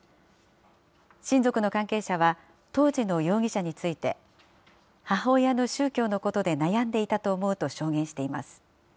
親族の関係者は、当時の容疑者について、母親の宗教のことで悩んでいたと思うと証言しています。